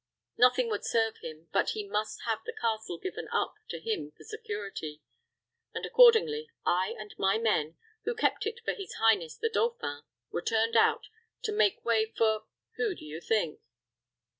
Nothing would serve him but he must have the castle given up to him for security; and, accordingly, I and my men, who kept it for his highness the dauphin, were turned out, to make way for who do you think?"